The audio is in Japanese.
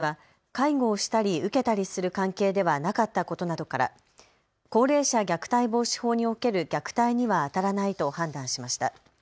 平塚市高齢福祉課によりますと容疑者と両親は介護をしたり受けたりする関係ではなかったことなどから高齢者虐待防止法における虐待にはあたらないと判断しました。